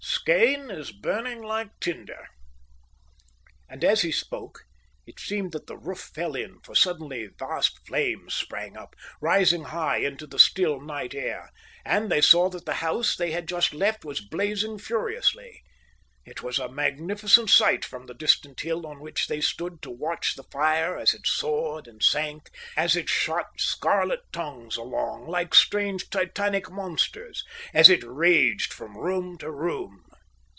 Skene is burning like tinder." And as he spoke it seemed that the roof fell in, for suddenly vast flames sprang up, rising high into the still night air; and they saw that the house they had just left was blazing furiously. It was a magnificent sight from the distant hill on which they stood to watch the fire as it soared and sank, as it shot scarlet tongues along like strange Titanic monsters, as it raged from room to room.